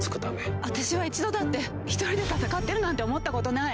「私は一度だって一人で戦ってるなんて思ったことない」